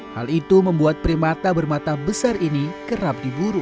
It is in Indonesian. hal itu membuat primata bermata besar ini kerap diburu